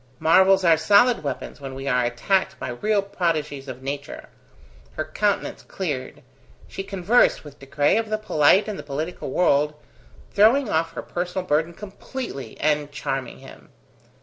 Marvels are solid weapons when we are attacked by real prodigies of nature. Her countenance cleared. She conversed with De Craye of the polite and the political world, throwing off her personal burden completely, and charming him.